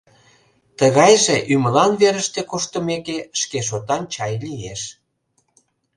Тыгайже, ӱмылан верыште коштымеке, шке шотан чай лиеш.